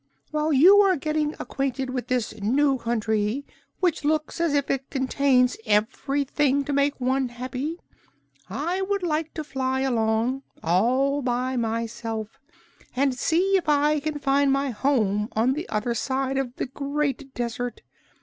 While you are getting acquainted with this new country, which looks as if it contains everything to make one happy, I would like to fly along all by myself and see if I can find my home on the other side of the great desert.